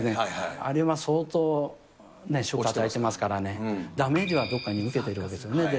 あれは相当、衝撃を与えてますからね、ダメージは特に受けているわけですね。